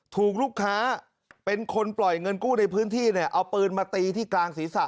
ถูกลูกค้าเป็นคนปล่อยเงินกู้ในพื้นที่เนี่ยเอาปืนมาตีที่กลางศีรษะ